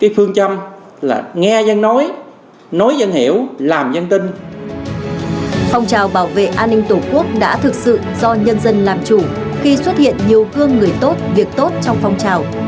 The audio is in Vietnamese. phong trào bảo vệ an ninh tổ quốc đã thực sự do nhân dân làm chủ khi xuất hiện nhiều gương người tốt việc tốt trong phong trào